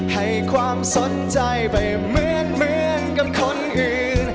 ให้ความสนใจไปเหมือนกับคนอื่น